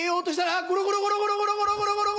あっゴロゴロゴロ。